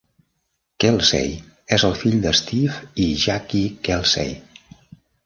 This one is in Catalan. Kelsay és el fill de Steve i Jackie Kelsay.